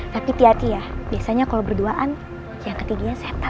tapi hati hati ya biasanya kalau berduaan yang ketiganya setan